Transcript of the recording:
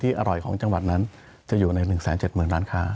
อร่อยของจังหวัดนั้นจะอยู่ใน๑๗๐๐ล้านค้า